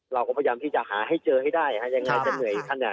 เราก็พยายามที่จะหาให้เจอให้ได้ยังไงจะเหนื่อยขนาดไหน